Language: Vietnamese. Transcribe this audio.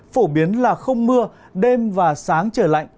phổ biến là không mưa đêm và sáng trời lạnh